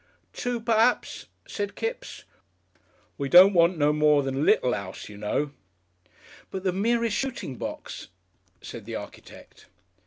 "Two, p'raps?" said Kipps. "We don't want no more than a little 'ouse, you know." "But the merest shooting box ," said the architect.